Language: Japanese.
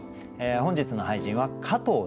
本日の俳人は加藤楸邨。